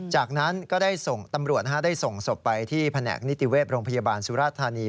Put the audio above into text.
จากนั้นก็ได้ส่งตำรวจได้ส่งศพไปที่แผนกนิติเวศโรงพยาบาลสุราธานี